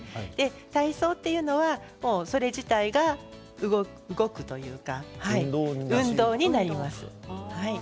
体操というのはそれ自体が動くというか運動になります。